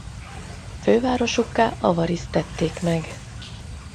Fővárosukká Avariszt tették meg.